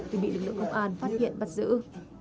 thì bị lực lượng công an phát hiện bắt giữ